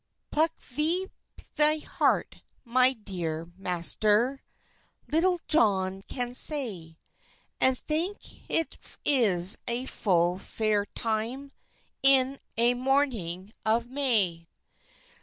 "Pluk vp thi hert, my dere mayster," Litulle Johne can sey, "And thynk hit is a fulle fayre tyme In a mornynge of may."